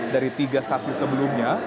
dari tiga saksi sebelumnya